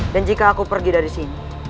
dan jika aku pergi dari sini